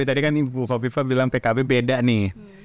tadi kan ibu kofifa bilang pkb beda nih